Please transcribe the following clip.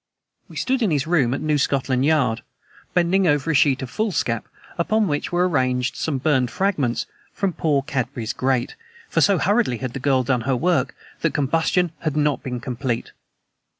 We stood in his room at New Scotland Yard, bending over a sheet of foolscap upon which were arranged some burned fragments from poor Cadby's grate, for so hurriedly had the girl done her work that combustion had not been complete.